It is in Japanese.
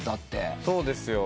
そうですよ。